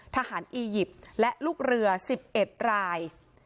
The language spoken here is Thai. อียิปต์และลูกเรือ๑๑ราย